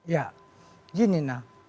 ya gini nah